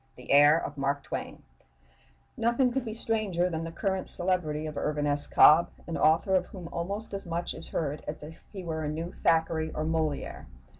THE HEIR OF MARK TWAIN Nothing could be stranger than the current celebrity of Irvin S. Cobb, an author of whom almost as much is heard as if he were a new Thackeray or Molière.